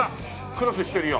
クロスしてるよ